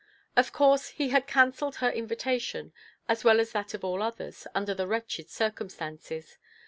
Of course he had cancelled her invitation, as well as that of all others, under the wretched circumstances.